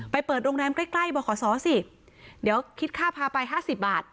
ไปเปิดโรงแรมใกล้บอกขอสอสิเดี๋ยวคิดค่าพาไป๕๐บาท